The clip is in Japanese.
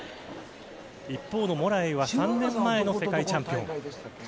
一方のモルラエイは３年前の世界チャンピオン。